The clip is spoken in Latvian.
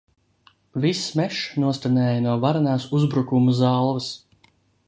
Viss mežs noskanēja no varenās uzbrukumu zalves.